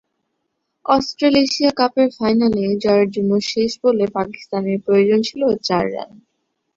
Australasia কাপের ফাইনালে জয়ের জন্য শেষ বলে পাকিস্তানের প্রয়োজন ছিল চার রান।